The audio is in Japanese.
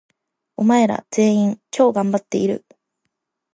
お前ら、全員、超がんばっている！！！